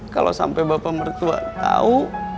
kalau sampai bapak mertua tahu